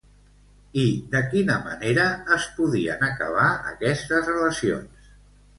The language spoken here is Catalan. I de quina manera es podien acabar aquestes relacions?